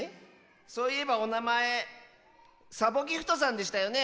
そういえばおなまえサボギフトさんでしたよね？